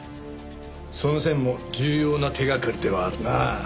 その線も重要な手掛かりではあるな。